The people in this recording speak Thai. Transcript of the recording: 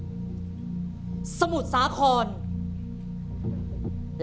แล้วนี่คือจังหวัดสมุทรสาครค่ะ